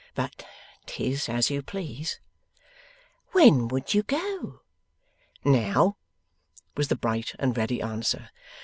But 'tis as you please.' 'When would you go?' 'Now,' was the bright and ready answer.